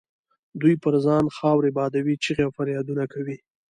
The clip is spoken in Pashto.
دوی پر ځان خاورې بادوي، چیغې او فریادونه کوي.